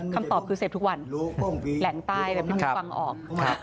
คำตอบคือเสพทุกวันแหล่งใต้เพิ่งฟังออก